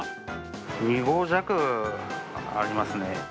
２合弱ありますね。